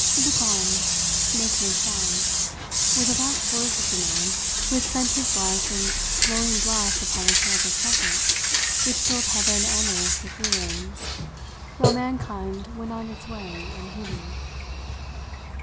"Look on make no sound," were the last words of the man who had spent his life in blowing blasts upon a terrible trumpet which filled heaven and earth with ruins, while mankind went on its way unheeding.